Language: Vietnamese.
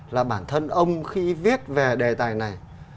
là bản thân ông khi viết về đề tài này